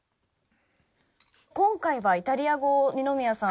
今回はイタリア語を二宮さん。